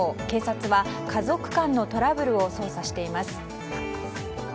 警察は家族間のトラブルを捜査しています。